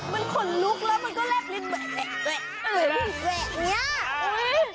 มันคนลุกแล้วมันก็เรียบรินแหวะแหวะเนี่ย